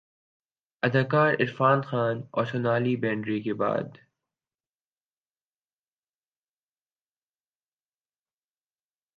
اداکار عرفان خان اورسونالی بیندرے کے بعد